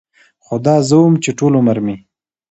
خو دا زه وم چې ټول عمر مې